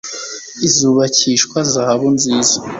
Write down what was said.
izubakishwa zahabu nziza